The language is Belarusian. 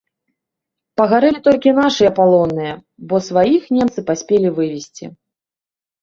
Пагарэлі толькі нашы палонныя, бо сваіх немцы паспелі вывезці.